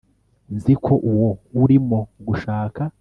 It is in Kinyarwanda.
Nzi ko uwo urimo gushaka